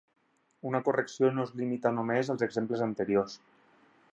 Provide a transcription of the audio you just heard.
Una correcció no es limita només als exemples anteriors.